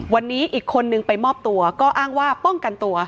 วันนี้อีกคนนึงไปมอบตัวก็อ้างว่าป้องกันตัว